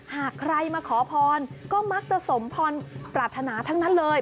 หากใครมาขอพรก็มักจะสมพรปรารถนาทั้งนั้นเลย